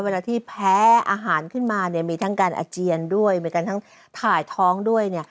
เวลาที่แพ้อาหารขึ้นมาเนี่ยมีทั้งการอาเจียนด้วยมีการทั้งถ่ายท้องด้วยเนี่ย